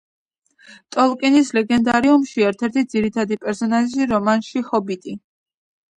ტოლკინის ლეგენდარიუმში და ერთ-ერთი ძირითადი პერსონაჟი რომანში „ჰობიტი“.